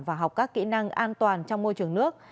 và học các kỹ năng an toàn trong môi trường nước